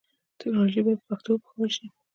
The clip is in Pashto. ټکنالوژي باید په پښتو وپوهول شي.